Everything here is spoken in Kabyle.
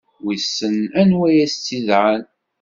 Wissen anwa i as-tt-yedɛan.